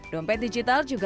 dompet digital juga kena